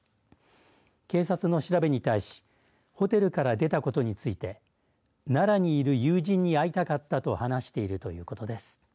警察の調べに対しホテルから出たことについて奈良にいる友人に会いたかったと話しているということです。